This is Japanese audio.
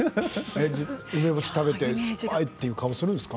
梅干しを食べて酸っぱいという顔をするんですか？